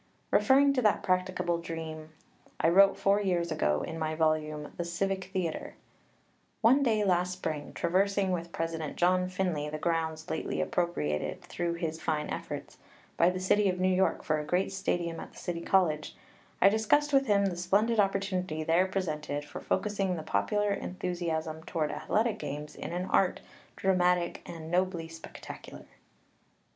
Referring to that practicable dream, I wrote four years ago in my volume "The Civic Thea tre": 1 "One day last spring, traversing with President John Finley the grounds lately appropriated, through his fine efforts, by the City of New York for a great stadium at Tage 71, on Constructive Leisure (Mitchell Kennerley, 1912). xxii PREFACE the City College, I discussed with him the splendid op portunity there presented for focussing the popular en thusiasm toward athletic games in an art dramatic and nobly spectacular.